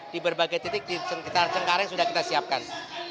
di berbagai titik di sekitar cengkareng sudah kita siapkan